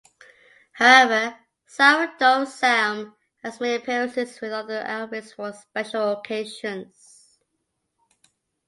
However, Sourdough Sam has made appearances with other outfits for special occasions.